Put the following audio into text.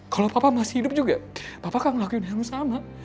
kalau papa masih hidup juga papa akan ngelakuin yang sama